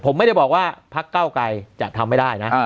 ผมไม่ได้บอกว่าพักเก้าไกรจะทำไม่ได้นะ